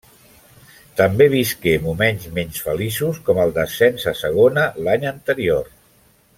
També visqué moments menys feliços com el descens a Segona l'any anterior.